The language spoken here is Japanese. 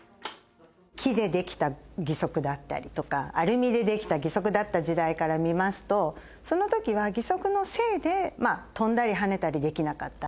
木で出来た義足だったりとか、アルミで出来た義足だった時代から見ますと、そのときは、義足のせいで飛んだり跳ねたりできなかった。